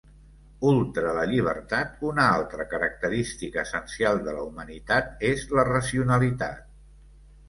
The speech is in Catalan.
Ultra la llibertat, una altra característica essencial de la humanitat és la racionalitat.